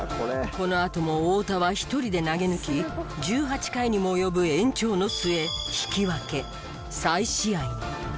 このあとも太田は一人で投げ抜き１８回にも及ぶ延長の末。